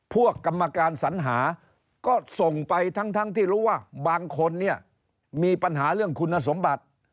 กรรมการสัญหาก็ส่งไปทั้งที่รู้ว่าบางคนเนี่ยมีปัญหาเรื่องคุณสมบัติ